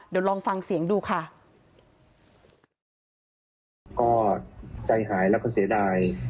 เดี๋ยวลองฟังเสียงดูค่ะ